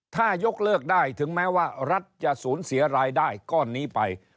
ถ้ายกเลิกได้ถึงแม้ว่ารัฐจะสูญเสียรายได้ก้อนนี้ไป